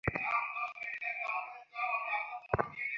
কেউ আমাকে এখান থেকে নামা।